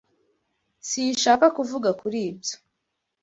Sinshaka kuvuga kuri ibyo.